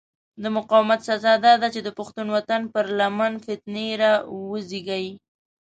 د مقاومت سزا داده چې د پښتون وطن پر لمن فتنې را وزېږي.